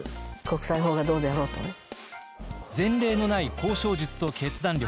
前例のない交渉術と決断力。